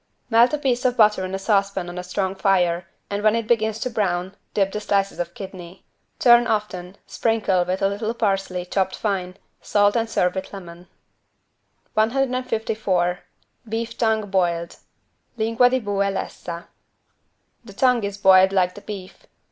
Melt a piece of butter in a saucepan on a strong fire and when it begins to brown, dip the slices of kidney. Turn often, sprinkle with a little parsley chopped fine, salt and serve with lemon. 154 BEEF TONGUE BOILED (Lingua di bue lessa) The tongue is boiled like the beef.